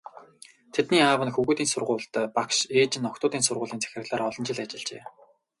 Тэдний аав нь хөвгүүдийн сургуульд багш, ээж нь охидын сургуулийн захирлаар олон жил ажиллажээ.